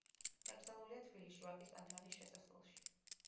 დაკრძალულია თბილისში, ვაკის პანთეონის შესასვლელში.